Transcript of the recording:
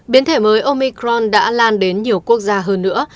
biến thể mới omicron đã lan đến nhiều quốc gia hơn nữa